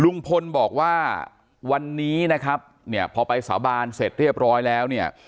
ลุงพลบอกว่าวันนี้นะครับเนี่ยพอไปสาบานเสร็จเรียบร้อยแล้วเนี่ย